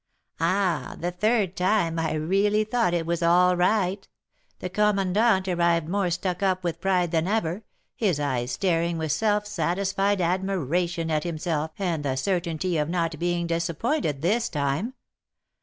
"Ah, the third time I really thought it was all right. The commandant arrived more stuck up with pride than ever; his eyes staring with self satisfied admiration at himself and the certainty of not being disappointed this time.